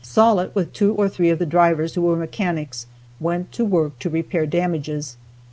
Sollitt, with two or three of the drivers who were mechanics, went to work to repair damages.